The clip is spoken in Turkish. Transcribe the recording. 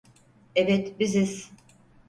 Evet, biziz.